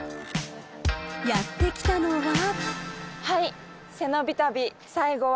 ［やって来たのは］